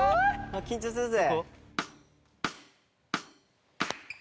緊張するぜ。